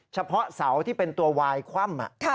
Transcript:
เฉพาะเสาที่เป็นตัววายคว่ำ